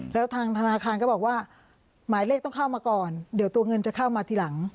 แล้วทางธนาคารก็บอกว่าหมายเลขต้องเข้ามาก่อนเดี๋ยวตัวเงินจะเข้ามาทีหลัง